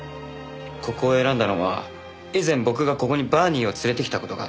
ここを選んだのは以前僕がここにバーニーを連れてきた事があって。